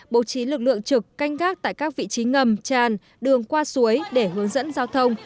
bố trí lực lượng trực canh gác tại các vị trí ngầm tràn đường qua suối để hướng dẫn giao thông